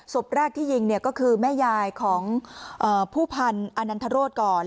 สบแรกที่ยิงเนี่ยก็คือแม่ยายของเอ่อผู้พันธ์อาณันทรโรธก่อน